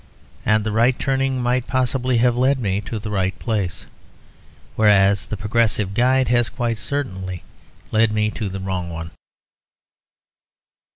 And the right turning might possibly have led me to the right place; whereas the progressive guide has quite certainly led me to the wrong one.